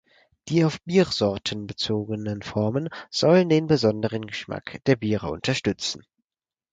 Die auf Biersorten bezogenen Formen sollen den besonderen Geschmack der Biere unterstützen.